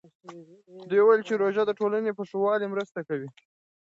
ده وویل چې روژه د ټولنې په ښه والي مرسته کوي.